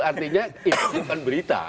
artinya ini kan berita